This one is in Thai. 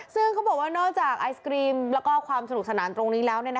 ซึ่งก็บอกว่านอกจากไอศกรีมและสนุกสนานตรงนี้แล้ว